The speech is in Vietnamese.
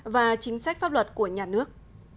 và chính sách pháp luật của nhà nước